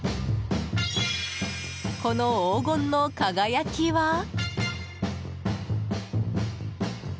この黄金の輝きは？